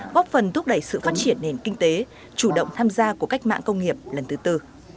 góp phần thúc đẩy sự phát triển nền kinh tế chủ động tham gia của cách mạng công nghiệp lần thứ tư